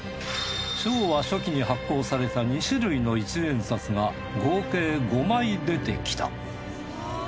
昭和初期に発行された２種類の１円札が合計５枚出てきた。